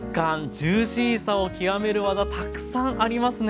ジューシーさを極める技たくさんありますね。